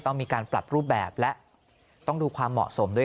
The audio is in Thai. ต้องมีการปรับรูปแบบและต้องดูความเหมาะสมด้วย